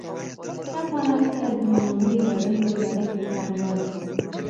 د افغانانو سره د نوموړي لړیو د اړیکو څرنګوالي.